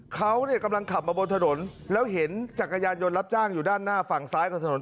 เขาเนี่ยกำลังขับมาบนถนนแล้วเห็นจักรยานยนต์รับจ้างอยู่ด้านหน้าฝั่งซ้ายกับถนน